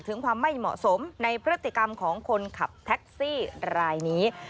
ถึงความไม่เหมาะสมในพฤติกรรมของคนขับแท็กซี่รายนี้